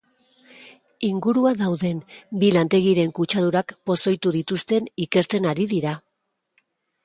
Inguruan dauden bi lantegiren kutsadurak pozoitu dituzten ikertzen ari dira.